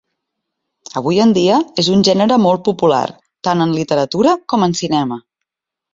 Avui en dia, és un gènere molt popular, tant en literatura com en cinema.